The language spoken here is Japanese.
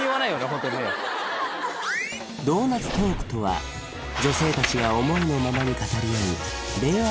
ホントにねドーナツトークとは女性達が思いのままに語り合う令和